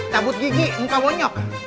cabut gigi muka mau nyok